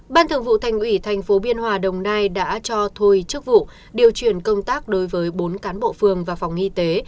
ban thường vụ thành ủy thành phố biên hòa đồng nai đã cho thôi chức vụ điều chuyển công tác đối với bốn cán bộ phường và phòng y tế